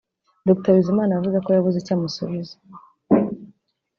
Dr Bizimana yavuze ko yabuze icyo amusubiza